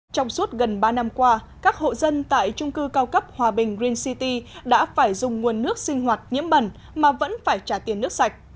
trong suốt gần ba năm qua các hộ dân tại trung cư cao cấp hòa bình green city đã phải dùng nguồn nước sinh hoạt nhiễm bẩn mà vẫn phải trả tiền nước sạch